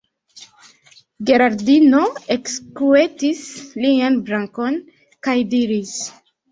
Geraldino ekskuetis lian brakon kaj diris: